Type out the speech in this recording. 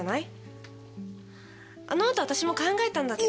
あの後わたしも考えたんだけど。